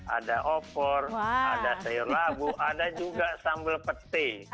ada opor ada sayur labu ada juga sambal pete